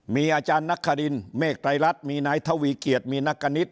มีอาจารย์นักครินเมฆไตรรัฐมีนายทวีเกียจมีนักกณิต